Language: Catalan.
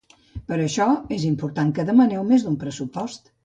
Per això, és important que demaneu més d'un pressupost.